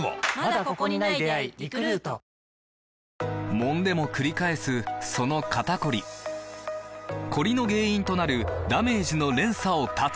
もんでもくり返すその肩こりコリの原因となるダメージの連鎖を断つ！